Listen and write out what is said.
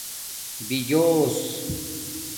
بِجوس